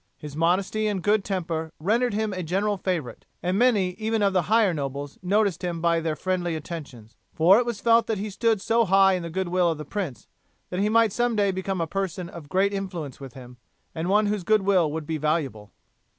His modesty and good temper rendered him a general favourite, and many even of the higher nobles noticed him by their friendly attentions, for it was felt that he stood so high in the goodwill of the prince that he might some day become a person of great influence with him, and one whose goodwill would be valuable.